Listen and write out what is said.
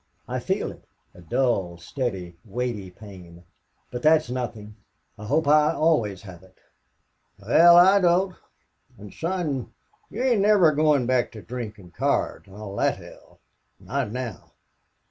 "I feel it a dull, steady, weighty pain.... But that's nothing. I hope I always have it." "Wal, I don't.... An', son, you ain't never goin' back to drink an' cards an' all thet hell?... Not now!"